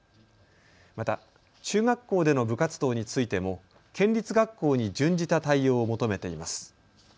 また中学校での部活動についても県立学校に準じた対応を求めています。